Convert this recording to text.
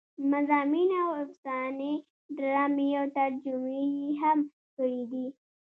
مضامين او افسانې ډرامې او ترجمې يې هم کړې دي